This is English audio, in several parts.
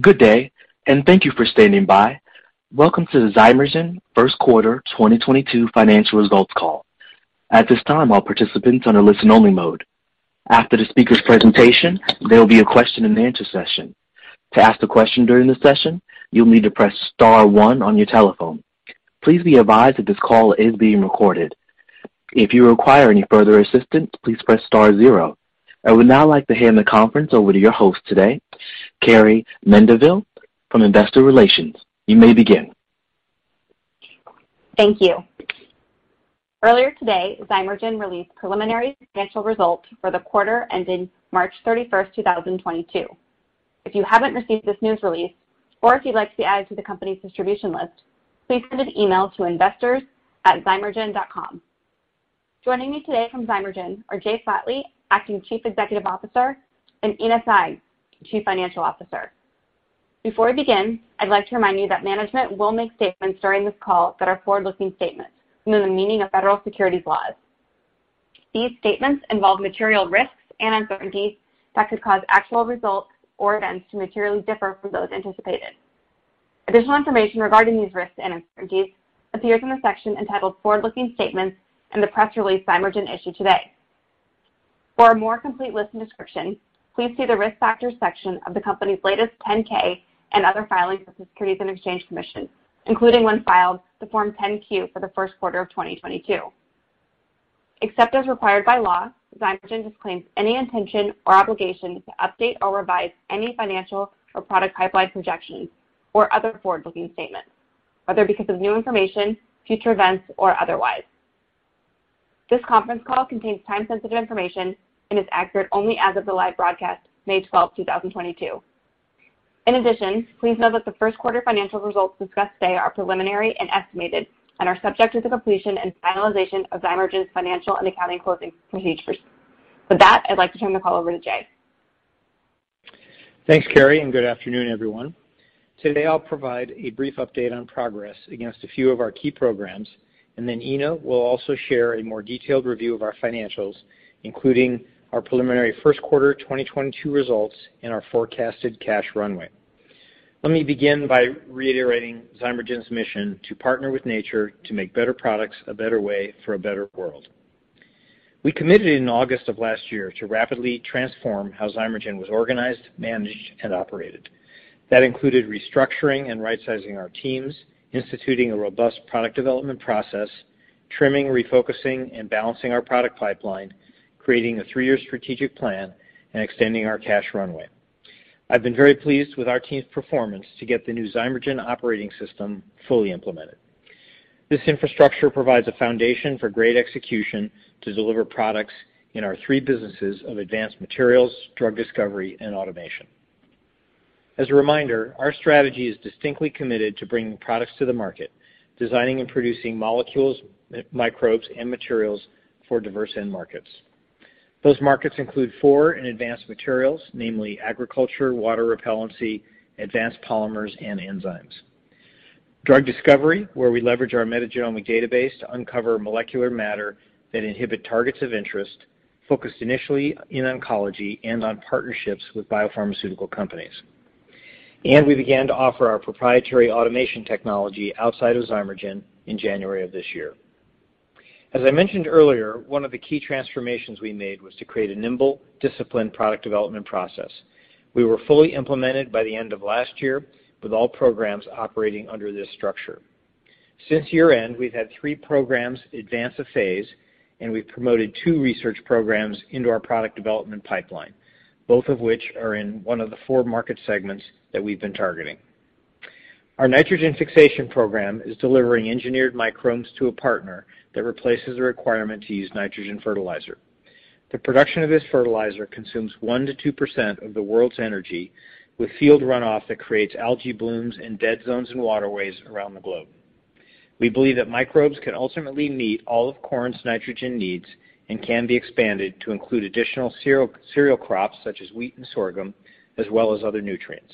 Good day, and thank you for standing by. Welcome to the Zymergen First Quarter 2022 Financial Results Call. At this time, all participants on a listen only mode. After the speaker's presentation, there'll be a question-and-answer session. To ask a question during the session, you'll need to press star one on your telephone. Please be advised that this call is being recorded. If you require any further assistance, please press star zero. I would now like to hand the conference over to your host today, Carrie Mendivil from Investor Relations. You may begin. Thank you. Earlier today, Zymergen released preliminary financial results for the quarter ending March 31st, 2022. If you haven't received this news release or if you'd like to add to the company's distribution list, please send an email to investors@zymergen.com. Joining me today from Zymergen are Jay Flatley, Acting Chief Executive Officer, and Ena Singh, Chief Financial Officer. Before we begin, I'd like to remind you that management will make statements during this call that are forward-looking statements within the meaning of federal securities laws. These statements involve material risks and uncertainties that could cause actual results or events to materially differ from those anticipated. Additional information regarding these risks and uncertainties appears in the section entitled Forward-Looking Statements in the press release Zymergen issued today. For a more complete list and description, please see the Risk Factors section of the company's latest 10-K and other filings with the Securities and Exchange Commission, including when filed the Form 10-Q for the first quarter of 2022. Except as required by law, Zymergen disclaims any intention or obligation to update or revise any financial or product pipeline projections or other forward-looking statements, whether because of new information, future events or otherwise. This conference call contains time-sensitive information and is accurate only as of the live broadcast May 12th, 2022. In addition, please note that the first quarter financial results discussed today are preliminary and estimated and are subject to the completion and finalization of Zymergen's financial and accounting closing procedures. With that, I'd like to turn the call over to Jay. Thanks, Carrie, and good afternoon, everyone. Today, I'll provide a brief update on progress against a few of our key programs, and then Ena will also share a more detailed review of our financials, including our preliminary first quarter 2022 results and our forecasted cash runway. Let me begin by reiterating Zymergen's mission to partner with nature to make better products a better way for a better world. We committed in August of last year to rapidly transform how Zymergen was organized, managed and operated. That included restructuring and rightsizing our teams, instituting a robust product development process, trimming, refocusing, and balancing our product pipeline, creating a three-year strategic plan and extending our cash runway. I've been very pleased with our team's performance to get the new Zymergen operating system fully implemented. This infrastructure provides a foundation for great execution to deliver products in our three businesses of advanced materials, drug discovery and automation. As a reminder, our strategy is distinctly committed to bringing products to the market, designing and producing molecules, microbes and materials for diverse end markets. Those markets include four in advanced materials, namely agriculture, water repellency, advanced polymers and enzymes. Drug discovery, where we leverage our metagenomic database to uncover molecular matter that inhibit targets of interest, focused initially in oncology and on partnerships with biopharmaceutical companies. We began to offer our proprietary automation technology outside of Zymergen in January of this year. As I mentioned earlier, one of the key transformations we made was to create a nimble, disciplined product development process. We were fully implemented by the end of last year with all programs operating under this structure. Since year-end, we've had three programs advance a phase, and we've promoted two research programs into our product development pipeline, both of which are in one of the four market segments that we've been targeting. Our nitrogen fixation program is delivering engineered microbes to a partner that replaces the requirement to use nitrogen fertilizer. The production of this fertilizer consumes 1%-2% of the world's energy with field runoff that creates algae blooms and dead zones and waterways around the globe. We believe that microbes can ultimately meet all of corn's nitrogen needs and can be expanded to include additional cereal crops such as wheat and sorghum, as well as other nutrients.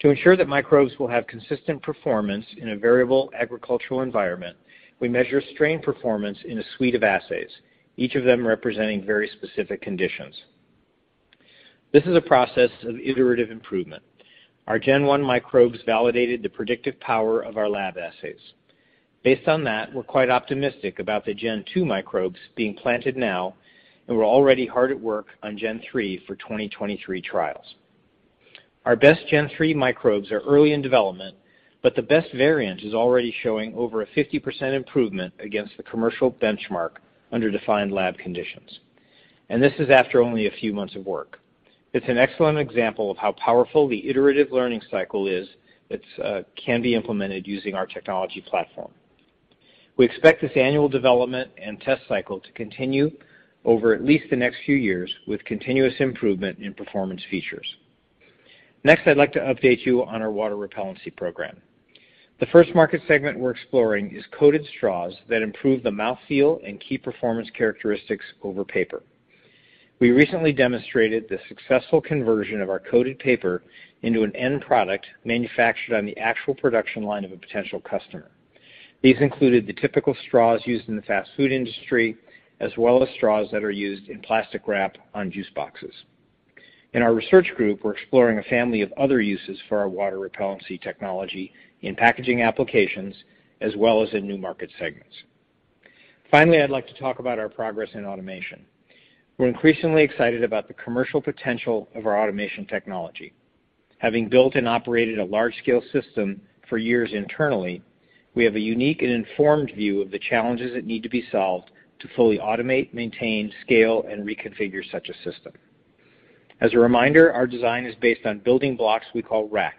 To ensure that microbes will have consistent performance in a variable agricultural environment, we measure strain performance in a suite of assays, each of them representing very specific conditions. This is a process of iterative improvement. Our Gen 1 microbes validated the predictive power of our lab assays. Based on that, we're quite optimistic about the Gen 2 microbes being planted now, and we're already hard at work on Gen 3 for 2023 trials. Our best Gen 3 microbes are early in development, but the best variant is already showing over a 50% improvement against the commercial benchmark under defined lab conditions. This is after only a few months of work. It's an excellent example of how powerful the iterative learning cycle is that can be implemented using our technology platform. We expect this annual development and test cycle to continue over at least the next few years with continuous improvement in performance features. Next, I'd like to update you on our water repellency program. The first market segment we're exploring is coated straws that improve the mouth feel and key performance characteristics over paper. We recently demonstrated the successful conversion of our coated paper into an end product manufactured on the actual production line of a potential customer. These included the typical straws used in the fast food industry, as well as straws that are used in plastic wrap on juice boxes. In our research group, we're exploring a family of other uses for our water repellency technology in packaging applications as well as in new market segments. Finally, I'd like to talk about our progress in automation. We're increasingly excited about the commercial potential of our automation technology. Having built and operated a large-scale system for years internally, we have a unique and informed view of the challenges that need to be solved to fully automate, maintain, scale, and reconfigure such a system. As a reminder, our design is based on building blocks we call RACs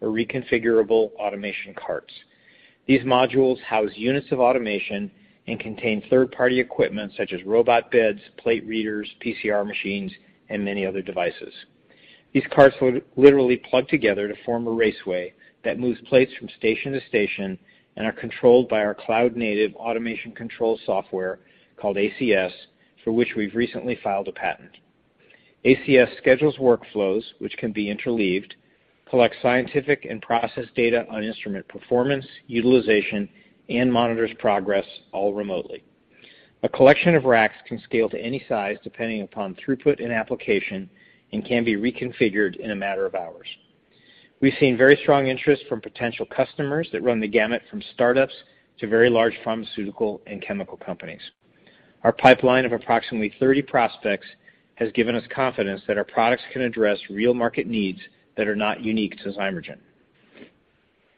or reconfigurable automation carts. These modules house units of automation and contain third-party equipment such as robot beds, plate readers, PCR machines, and many other devices. These carts literally plug together to form a raceway that moves plates from station to station and are controlled by our cloud-native Automation Control Software called ACS, for which we've recently filed a patent. ACS schedules workflows which can be interleaved, collects scientific and process data on instrument performance, utilization, and monitors progress all remotely. A collection of RACs can scale to any size depending upon throughput and application and can be reconfigured in a matter of hours. We've seen very strong interest from potential customers that run the gamut from startups to very large pharmaceutical and chemical companies. Our pipeline of approximately 30 prospects has given us confidence that our products can address real market needs that are not unique to Zymergen.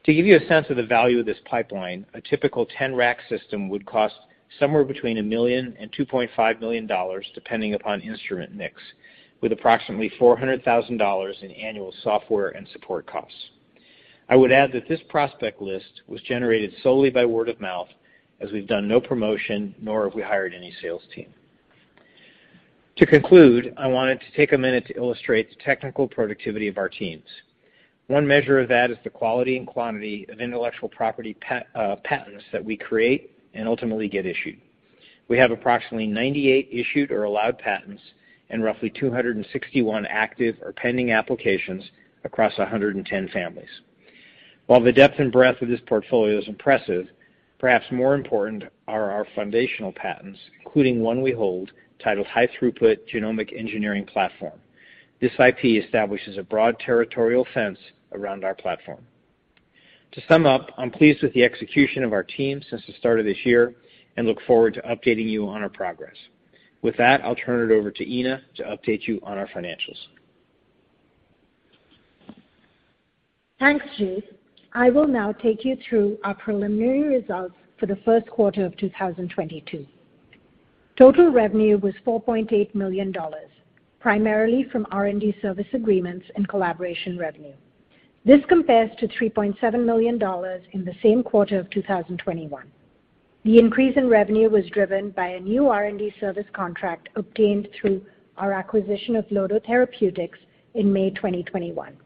To give you a sense of the value of this pipeline, a typical 10 RAC system would cost somewhere between $1 million and $2.5 million depending upon instrument mix, with approximately $400,000 in annual software and support costs. I would add that this prospect list was generated solely by word of mouth as we've done no promotion, nor have we hired any sales team. To conclude, I wanted to take a minute to illustrate the technical productivity of our teams. One measure of that is the quality and quantity of intellectual property patents that we create and ultimately get issued. We have approximately 98 issued or allowed patents and roughly 261 active or pending applications across 110 families. While the depth and breadth of this portfolio is impressive, perhaps more important are our foundational patents, including one we hold titled High-Throughput Genomic Engineering Platform. This IP establishes a broad territorial fence around our platform. To sum up, I'm pleased with the execution of our team since the start of this year and look forward to updating you on our progress. With that, I'll turn it over to Ena to update you on our financials. Thanks, Jay. I will now take you through our preliminary results for the first quarter of 2022. Total revenue was $4.8 million, primarily from R&D service agreements and collaboration revenue. This compares to $3.7 million in the same quarter of 2021. The increase in revenue was driven by a new R&D service contract obtained through our acquisition of Lodo Therapeutics in May 2021,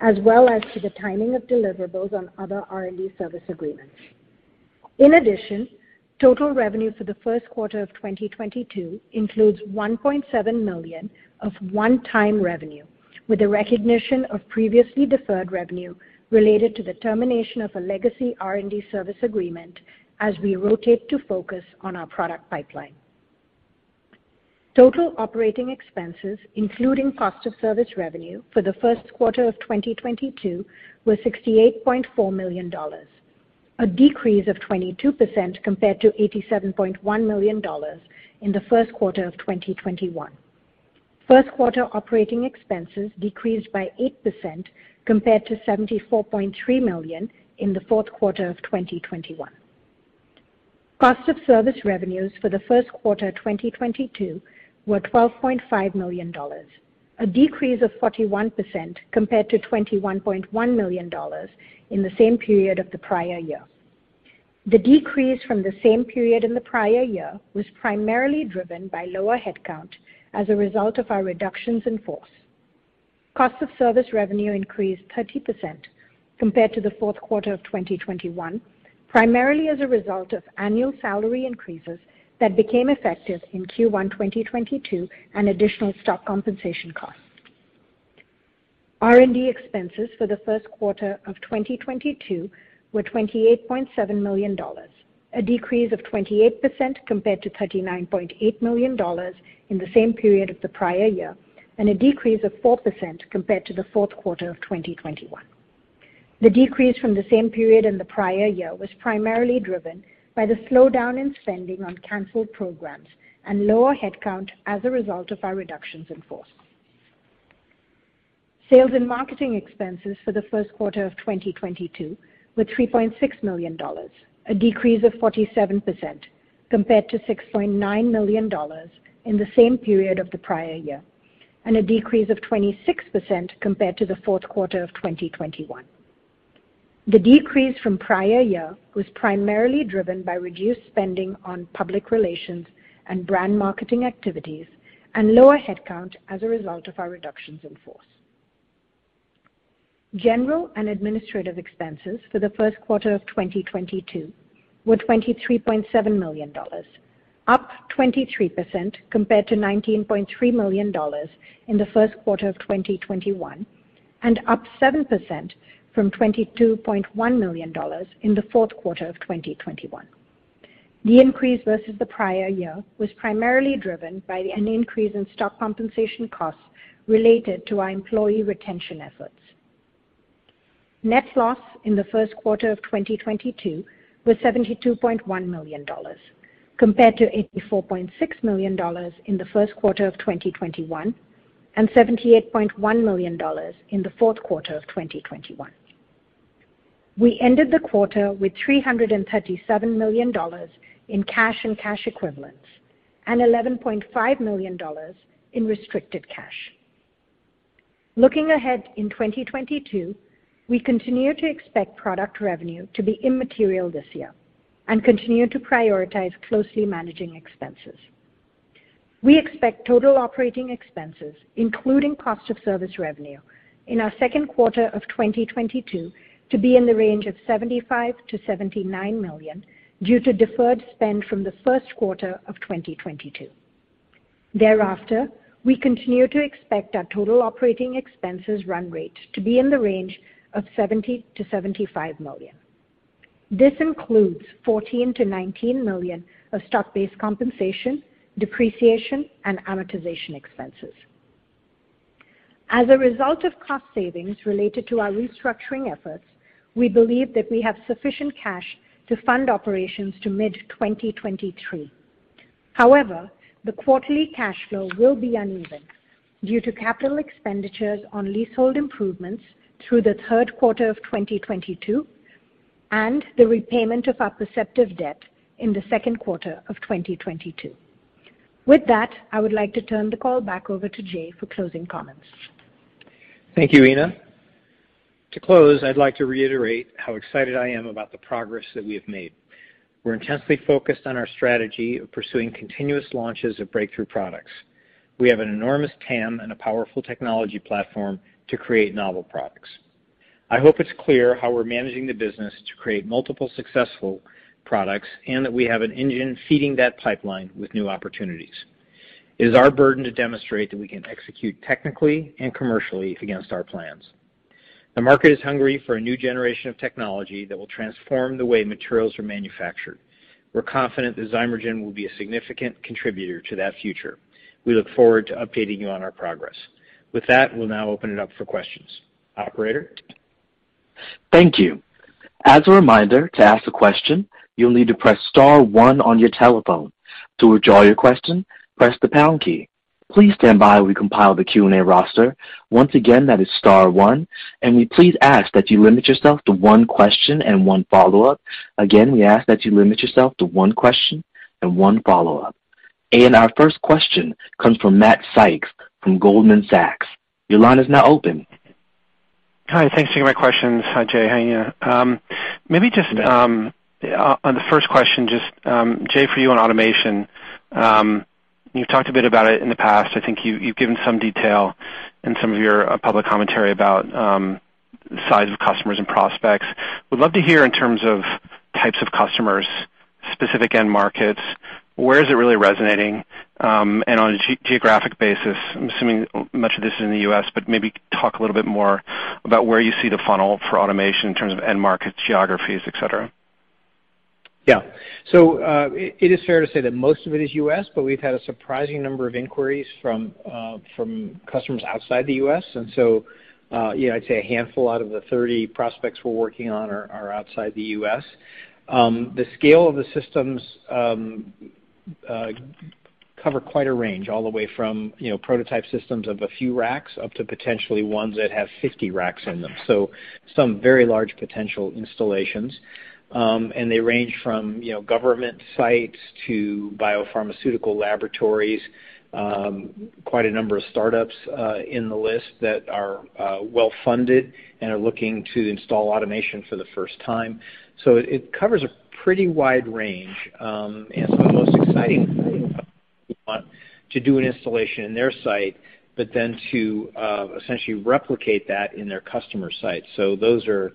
as well as the timing of deliverables on other R&D service agreements. In addition, total revenue for the first quarter of 2022 includes $1.7 million of one-time revenue, with the recognition of previously deferred revenue related to the termination of a legacy R&D service agreement as we rotate to focus on our product pipeline. Total operating expenses, including cost of service revenue for the first quarter of 2022, were $68.4 million, a decrease of 22% compared to $87.1 million in the first quarter of 2021. First quarter operating expenses decreased by 8% compared to $74.3 million in the fourth quarter of 2021. Cost of service revenues for the first quarter of 2022 were $12.5 million, a decrease of 41% compared to $21.1 million in the same period of the prior year. The decrease from the same period in the prior year was primarily driven by lower headcount as a result of our reductions in force. Cost of service revenue increased 30% compared to the fourth quarter of 2021, primarily as a result of annual salary increases that became effective in Q1 2022 and additional stock compensation costs. R&D expenses for the first quarter of 2022 were $28.7 million, a decrease of 28% compared to $39.8 million in the same period of the prior year, and a decrease of 4% compared to the fourth quarter of 2021. The decrease from the same period in the prior year was primarily driven by the slowdown in spending on canceled programs and lower headcount as a result of our reductions in force. Sales and marketing expenses for the first quarter of 2022 were $3.6 million, a decrease of 47% compared to $6.9 million in the same period of the prior year, and a decrease of 26% compared to the fourth quarter of 2021. The decrease from prior year was primarily driven by reduced spending on public relations and brand marketing activities and lower headcount as a result of our reductions in force. General and administrative expenses for the first quarter of 2022 were $23.7 million, up 23% compared to $19.3 million in the first quarter of 2021, and up 7% from $22.1 million in the fourth quarter of 2021. The increase versus the prior year was primarily driven by an increase in stock compensation costs related to our employee retention efforts. Net loss in the first quarter of 2022 was $72.1 million compared to $84.6 million in the first quarter of 2021, and $78.1 million in the fourth quarter of 2021. We ended the quarter with $337 million in cash and cash equivalents, and $11.5 million in restricted cash. Looking ahead in 2022, we continue to expect product revenue to be immaterial this year and continue to prioritize closely managing expenses. We expect total operating expenses, including cost of service revenue, in our second quarter of 2022 to be in the range of $75 million-$79 million due to deferred spend from the first quarter of 2022. Thereafter, we continue to expect our total operating expenses run rate to be in the range of $70 million-$75 million. This includes $14 million-$19 million of stock-based compensation, depreciation, and amortization expenses. As a result of cost savings related to our restructuring efforts, we believe that we have sufficient cash to fund operations to mid-2023. However, the quarterly cash flow will be uneven due to capital expenditures on leasehold improvements through the third quarter of 2022 and the repayment of our Perceptive debt in the second quarter of 2022. With that, I would like to turn the call back over to Jay for closing comments. Thank you, Ena. To close, I'd like to reiterate how excited I am about the progress that we have made. We're intensely focused on our strategy of pursuing continuous launches of breakthrough products. We have an enormous TAM and a powerful technology platform to create novel products. I hope it's clear how we're managing the business to create multiple successful products and that we have an engine feeding that pipeline with new opportunities. It is our burden to demonstrate that we can execute technically and commercially against our plans. The market is hungry for a new generation of technology that will transform the way materials are manufactured. We're confident that Zymergen will be a significant contributor to that future. We look forward to updating you on our progress. With that, we'll now open it up for questions. Operator? Thank you. As a reminder, to ask a question, you'll need to press star one on your telephone. To withdraw your question, press the pound key. Please stand by while we compile the Q&A roster. Once again, that is star one, and we please ask that you limit yourself to one question and one follow-up. Again, we ask that you limit yourself to one question and one follow-up. Our first question comes from Matt Sykes from Goldman Sachs. Your line is now open. Hi. Thanks for taking my questions. Hi, Jay. How are you? On the first question, Jay, for you on automation, you've talked a bit about it in the past. I think you've given some detail in some of your public commentary about the size of customers and prospects. Would love to hear in terms of types of customers, specific end markets, where is it really resonating, and on a geographic basis. I'm assuming much of this is in the U.S., but maybe talk a little bit more about where you see the funnel for automation in terms of end market geographies, et cetera. Yeah. It is fair to say that most of it is U.S., but we've had a surprising number of inquiries from customers outside the U.S. You know, I'd say a handful out of the 30 prospects we're working on are outside the U.S. The scale of the systems cover quite a range, all the way from prototype systems of a few RACs up to potentially ones that have 50 RACs in them. Some very large potential installations. They range from government sites to biopharmaceutical laboratories, quite a number of startups in the list that are well-funded and are looking to install automation for the first time. It covers a pretty wide range, and some of the most exciting ones want to do an installation in their site, but then to essentially replicate that in their customer site. Those are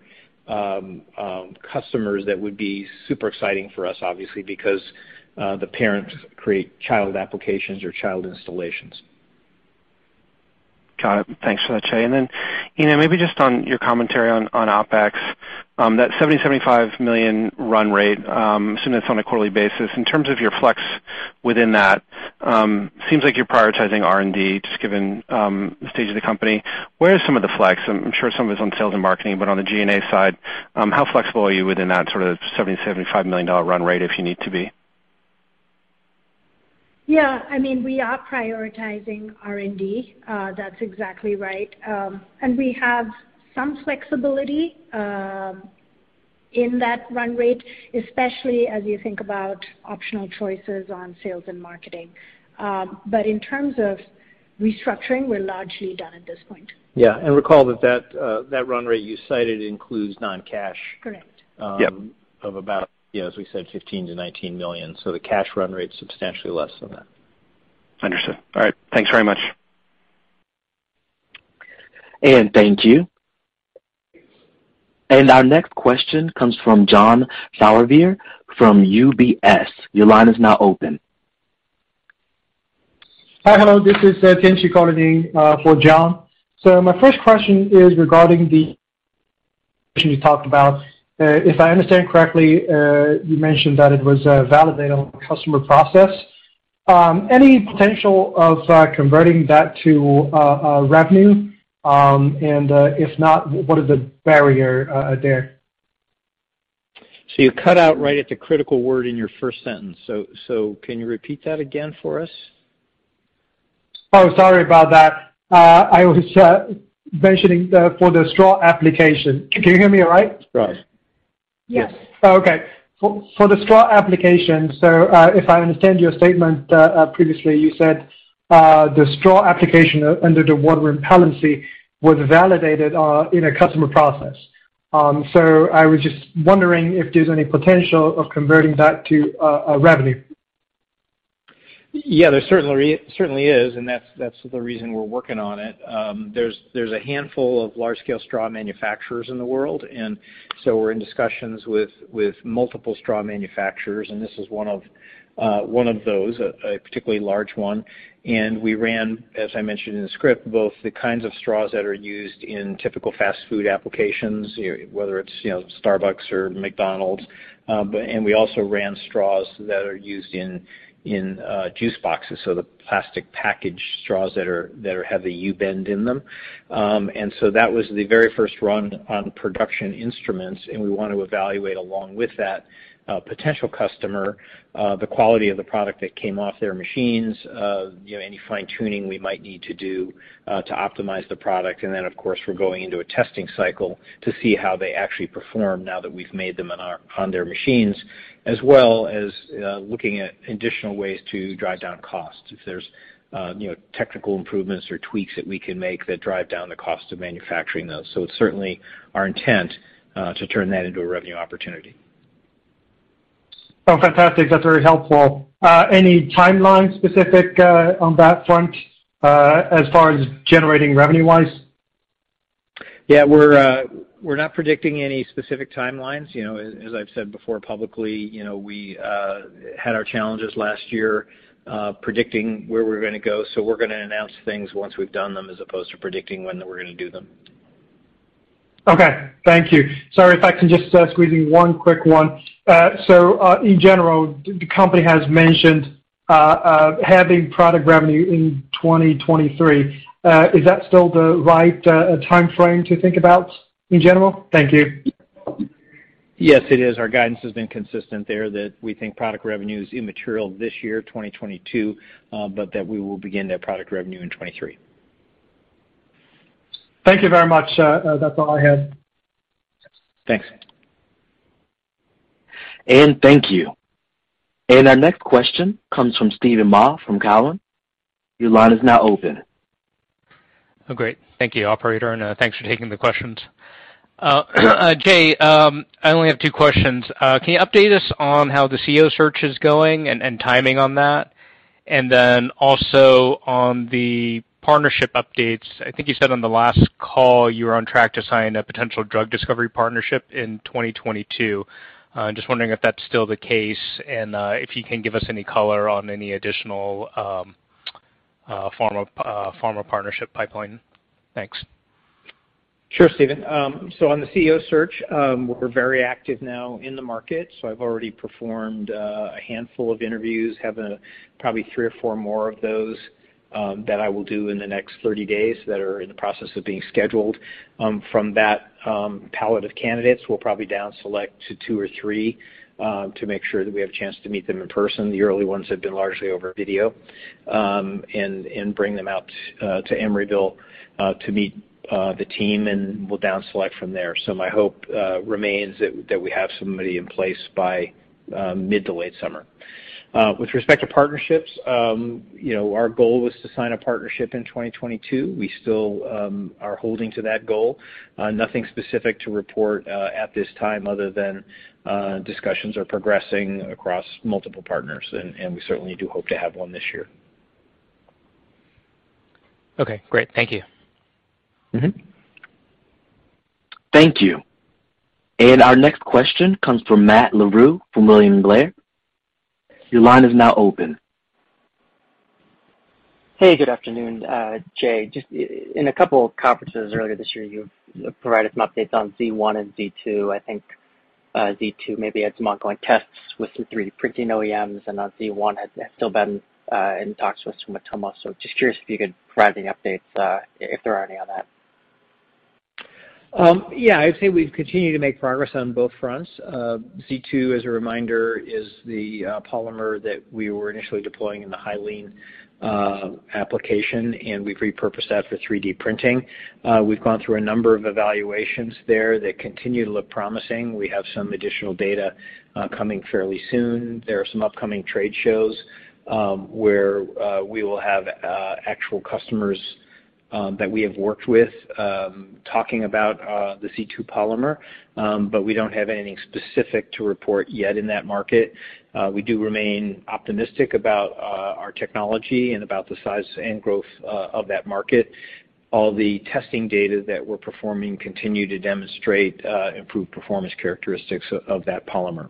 customers that would be super exciting for us, obviously, because the parents create child applications or child installations. Got it. Thanks for that, Jay. Then, Ena, maybe just on your commentary on OpEx, that $75 million run rate, assuming it's on a quarterly basis, in terms of your flex within that, seems like you're prioritizing R&D, just given the stage of the company. Where are some of the flex? I'm sure some of it's on sales and marketing, but on the G&A side, how flexible are you within that sort of $75 million run rate if you need to be? Yeah, I mean, we are prioritizing R&D. That's exactly right. We have some flexibility in that run rate, especially as you think about optional choices on sales and marketing. In terms of restructuring, we're largely done at this point. Yeah. Recall that run rate you cited includes non-cash- Correct. Yeah. of about, you know, as we said, $15 million-$19 million. The cash run rate's substantially less than that. Understood. All right. Thanks very much. Thank you. Our next question comes from John Sourbeer from UBS. Your line is now open. Hi. Hello, this is [Tianxi] calling in for John. My first question is regarding the one you talked about. If I understand correctly, you mentioned that it was a validated customer process. Any potential of converting that to a revenue? And if not, what are the barriers there? You cut out right at the critical word in your first sentence. Can you repeat that again for us? Oh, sorry about that. I was mentioning the for the straw application. Can you hear me all right? Straws. Yes. Oh, okay. For the straw application, if I understand your statement, previously you said the straw application under the water repellency was validated in a customer process. I was just wondering if there's any potential of converting that to a revenue. Yeah, there certainly is and that's the reason we're working on it. There's a handful of large scale straw manufacturers in the world, and so we're in discussions with multiple straw manufacturers and this is one of those, a particularly large one. We ran, as I mentioned in the script, both the kinds of straws that are used in typical fast food applications, whether it's, you know, Starbucks or McDonald's. But we also ran straws that are used in juice boxes, so the plastic package straws that have the U-bend in them. that was the very first run on production instruments, and we want to evaluate along with that, potential customer, the quality of the product that came off their machines, you know, any fine-tuning we might need to do, to optimize the product. Of course, we're going into a testing cycle to see how they actually perform now that we've made them on their machines, as well as looking at additional ways to drive down costs if there's, you know, technical improvements or tweaks that we can make that drive down the cost of manufacturing those. It's certainly our intent, to turn that into a revenue opportunity. Oh, fantastic. That's very helpful. Any timeline specific, on that front, as far as generating revenue-wise? Yeah, we're not predicting any specific timelines. You know, as I've said before publicly, you know, we had our challenges last year, predicting where we're going to go, so we're going to announce things once we've done them as opposed to predicting when we're going to do them. Okay. Thank you. Sorry if I can just squeeze in one quick one. In general, the company has mentioned having product revenue in 2023. Is that still the right timeframe to think about in general? Thank you. Yes, it is. Our guidance has been consistent there that we think product revenue is immaterial this year, 2022, but that we will begin that product revenue in 2023. Thank you very much. That's all I had. Thanks. Thank you. Our next question comes from Steven Mah from Cowen. Your line is now open. Oh, great. Thank you, Operator, and thanks for taking the questions. Jay, I only have two questions. Can you update us on how the CEO search is going and timing on that? Then also on the partnership updates, I think you said on the last call you were on track to sign a potential drug discovery partnership in 2022. Just wondering if that's still the case and if you can give us any color on any additional pharma partnership pipeline. Thanks. Sure, Steven. On the CEO search, we're very active now in the market, so I've already performed a handful of interviews, have probably three or four more of those that I will do in the next 30 days that are in the process of being scheduled. From that pool of candidates, we'll probably down select to two or three to make sure that we have a chance to meet them in person, the early ones have been largely over video, and bring them out to Emeryville to meet the team, and we'll down select from there. My hope remains that we have somebody in place by mid- to late summer. With respect to partnerships, you know, our goal was to sign a partnership in 2022. We still are holding to that goal. Nothing specific to report at this time other than discussions are progressing across multiple partners and we certainly do hope to have one this year. Okay, great. Thank you. Mm-hmm. Thank you. Our next question comes from Matt Larew from William Blair. Your line is now open. Hey, good afternoon, Jay. Just in a couple of conferences earlier this year, you've provided some updates on Z1 and Z2. I think Z2 maybe had some ongoing tests with some 3D printing OEMs, and on Z1 has still been in talks with Sumitomo. Just curious if you could provide any updates if there are any on that. Yeah. I'd say we've continued to make progress on both fronts. Z2, as a reminder, is the polymer that we were initially deploying in the Hyaline application, and we've repurposed that for 3D printing. We've gone through a number of evaluations there that continue to look promising. We have some additional data coming fairly soon. There are some upcoming trade shows where we will have actual customers that we have worked with talking about the Z2 polymer. We don't have anything specific to report yet in that market. We do remain optimistic about our technology and about the size and growth of that market. All the testing data that we're performing continue to demonstrate improved performance characteristics of that polymer.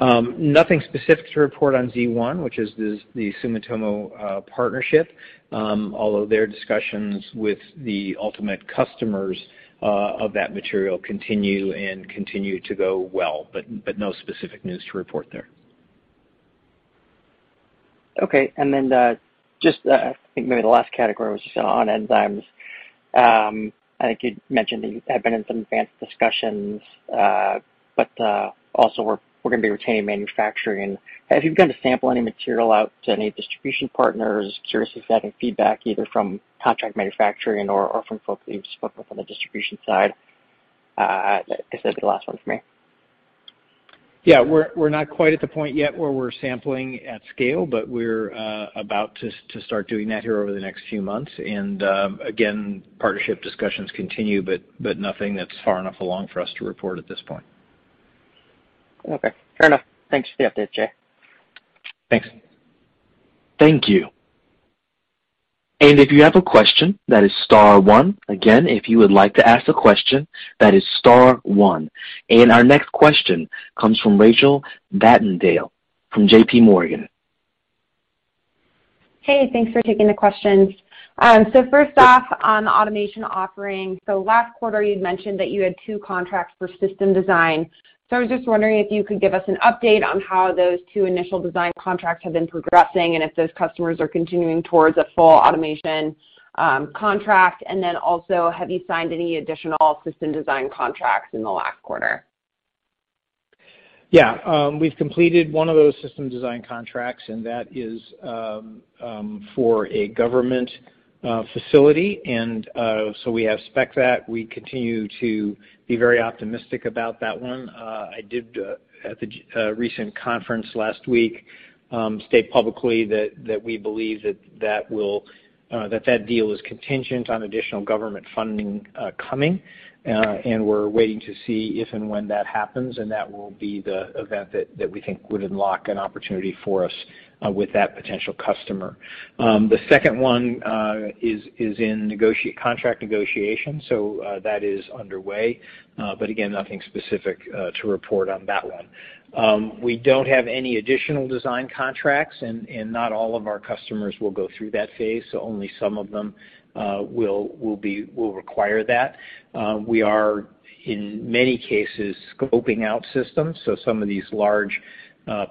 Nothing specific to report on Z1, which is the Sumitomo partnership. Although their discussions with the ultimate customers of that material continue to go well, but no specific news to report there. Okay. I think maybe the last category was just on enzymes. I think you'd mentioned that you have been in some advanced discussions, but also we're going to be retaining manufacturing. Have you begun to sample any material out to any distribution partners? Curious if you're having feedback either from contract manufacturing or from folks that you've spoken from the distribution side. This is the last one for me. Yeah. We're not quite at the point yet where we're sampling at scale, but we're about to start doing that here over the next few months. Again, partnership discussions continue, but nothing that's far enough along for us to report at this point. Okay. Fair enough. Thanks for the update, Jay. Thanks. Thank you. If you have a question, that is star one. Again, if you would like to ask a question, that is star one. Our next question comes from Rachel Vatnsdal from JPMorgan. Hey, thanks for taking the questions. First off, on the automation offering. Last quarter you'd mentioned that you had two contracts for system design. I was just wondering if you could give us an update on how those two initial design contracts have been progressing and if those customers are continuing towards a full automation contract. Also, have you signed any additional system design contracts in the last quarter? We've completed one of those system design contracts, and that is for a government facility. We have spec'd that. We continue to be very optimistic about that one. I did at the recent conference last week state publicly that we believe that that deal is contingent on additional government funding coming, and we're waiting to see if and when that happens, and that will be the event that we think would unlock an opportunity for us with that potential customer. The second one is in contract negotiations, so that is underway. Again, nothing specific to report on that one. We don't have any additional design contracts and not all of our customers will go through that phase. Only some of them will require that. We are in many cases scoping out systems. Some of these large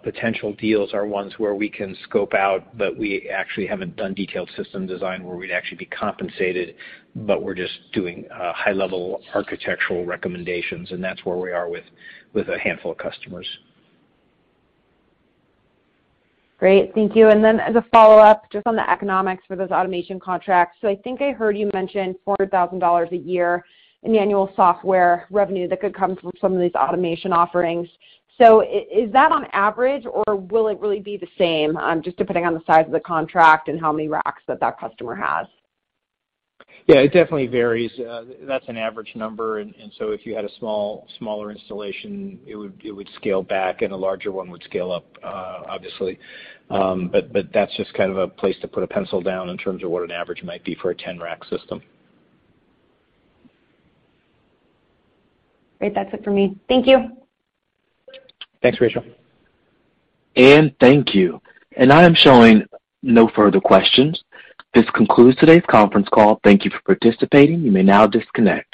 potential deals are ones where we can scope out, but we actually haven't done detailed system design where we'd actually be compensated. We're just doing high-level architectural recommendations, and that's where we are with a handful of customers. Great. Thank you. As a follow-up, just on the economics for those automation contracts. I think I heard you mention $400,000 a year in the annual software revenue that could come from some of these automation offerings. Is that on average or will it really be the same, just depending on the size of the contract and how many RACs that customer has? Yeah, it definitely varies. That's an average number. If you had a smaller installation, it would scale back and a larger one would scale up, obviously. That's just kind of a place to put a pencil down in terms of what an average might be for a 10 RAC system. Great. That's it for me. Thank you. Thanks, Rachel. Thank you. I am showing no further questions. This concludes today's conference call. Thank you for participating. You may now disconnect.